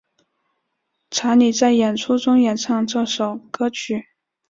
查理在演出中演唱这首歌曲。